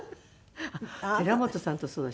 寺本さんとそうだ。